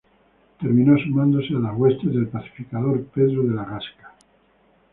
Terminó sumándose a las huestes del pacificador Pedro de la Gasca.